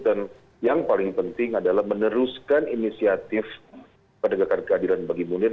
dan yang paling penting adalah meneruskan inisiatif pendegakan keadilan bagi munir